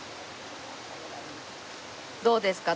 どうですか？